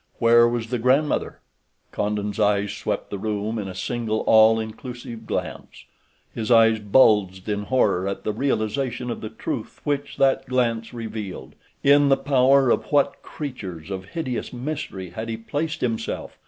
Where was the grandmother? Condon's eyes swept the room in a single all inclusive glance. His eyes bulged in horror at the realization of the truth which that glance revealed. In the power of what creatures of hideous mystery had he placed himself!